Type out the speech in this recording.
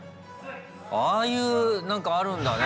ああいうなんかあるんだね。